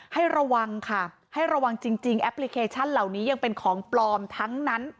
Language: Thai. ให้ระวังค่ะให้ระวังจริงแอปพลิเคชันเหล่านี้ยังเป็นของปลอมทั้งนั้น